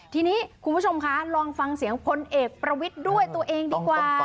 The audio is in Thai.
ทีนี้คุณผู้ชมคะลองฟังเสียงพลเอกประวิทย์ด้วยตัวเองดีกว่า